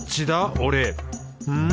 俺。